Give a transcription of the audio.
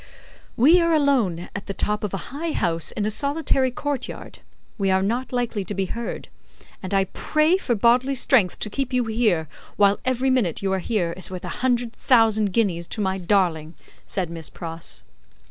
"We are alone at the top of a high house in a solitary courtyard, we are not likely to be heard, and I pray for bodily strength to keep you here, while every minute you are here is worth a hundred thousand guineas to my darling," said Miss Pross.